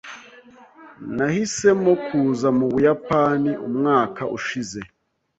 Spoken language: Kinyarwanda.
Nahisemo kuza mu Buyapani umwaka ushize.